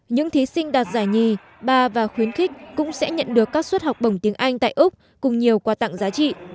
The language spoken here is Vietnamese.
những thí sinh đạt giải nhì ba và khuyến khích cũng sẽ nhận được các suất học bổng tiếng anh tại úc cùng nhiều quà tặng giá trị